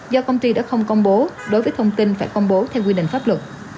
do công ty đã không công bố đối với thông tin phải công bố theo quy định pháp luật